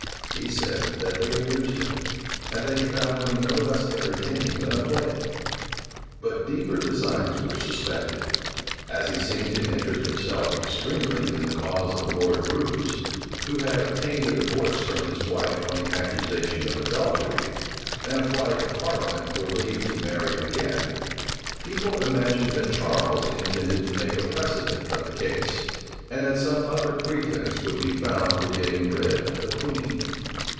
He said, that they amused him, and that he found them no less entertaining than a play. But deeper designs were suspected. As he seemed to interest himself extremely in the cause of Lord Roos, who had obtained a divorce from his wife on the accusation of adultery, and applied to parliament for leave to marry again, people imagined that Charles intended to make a precedent of the case, and that some other pretence would be found for getting rid of the queen.